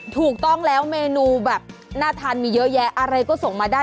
ถูกต้องแล้วเมนูแบบน่าทานมีเยอะแยะอะไรก็ส่งมาได้